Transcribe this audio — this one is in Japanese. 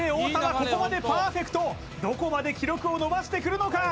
ここまでパーフェクトどこまで記録を伸ばしてくるのか？